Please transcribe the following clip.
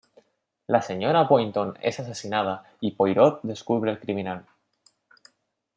La señora Boynton es asesinada y Poirot descubre al criminal.